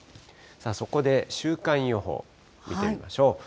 そこで週間予報見てみましょう。